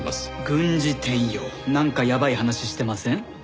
なんかやばい話してません？